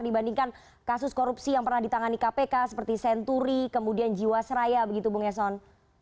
dibandingkan kasus korupsi yang pernah ditangani kpk seperti senturi kemudian jiwasraya begitu bung eson